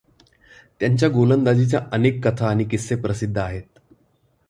त्यांच्या गोलंदाजीच्या अनेक कथा आणि किस्से प्रसिद्ध आहेत.